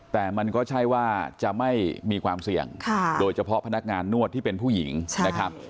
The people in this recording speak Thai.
แต่มันก็ใช่ว่าจะไม่มีความเสี่ยงโดยเฉพาะพนักงานนวดที่เป็นผู้หญิงนะครับ